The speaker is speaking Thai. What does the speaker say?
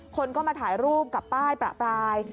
คนก็มาถ่ายรูปกับป้ายประปราย